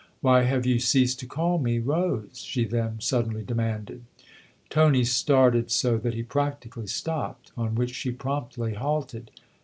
" Why have you ceased to call me ' Rose '?" she then suddenly demanded. Tony started so that he practically stopped ; on which she promptly halted.